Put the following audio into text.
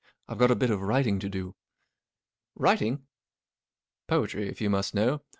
44 I've got a bit of writing to do." 44 Writing ?" 44 Poetry, if you must know.